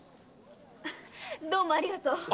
どうもありがとう。